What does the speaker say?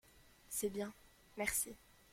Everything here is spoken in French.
C’est bien… merci…